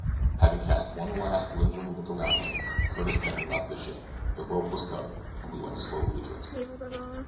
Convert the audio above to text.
Having cast one last, lingering look around him, Curtis then left the ship; the rope was cut, and we went slowly adrift.